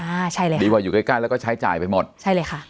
อ่าใช่เลยค่ะดีกว่าอยู่ใกล้ใกล้แล้วก็ใช้จ่ายไปหมดใช่เลยค่ะ